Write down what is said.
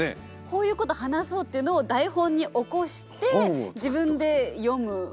こういうこと話そうっていうのを台本に起こして自分で読む覚える。